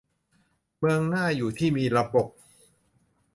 เมืองน่าอยู่ที่มีระบบ